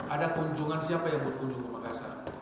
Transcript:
ada kunjungan siapa yang berkunjung ke makassar